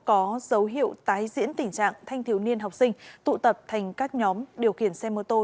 có dấu hiệu tái diễn tình trạng thanh thiếu niên học sinh tụ tập thành các nhóm điều khiển xe mô tô